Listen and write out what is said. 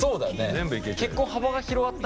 全部いける。